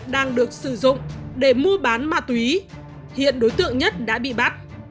dùng để mua bán ma túy hiện đối tượng nhất đã bị bắt